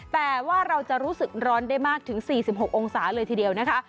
แต่ว่าเราจะรู้สึกร้อนได้มากถึง๔๖องศาเลยทีเดียวนะคะ